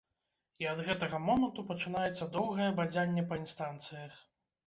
І ад гэтага моманту пачынаецца доўгае бадзянне па інстанцыях.